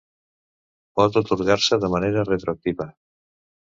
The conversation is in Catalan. Pot atorgar-se de manera retroactiva.